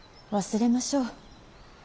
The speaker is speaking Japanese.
忘れましょう。